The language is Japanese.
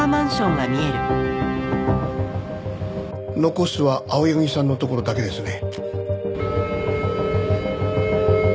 残すは青柳さんの所だけですね。